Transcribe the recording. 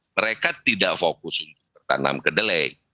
mereka tidak fokus untuk bertanam kedelai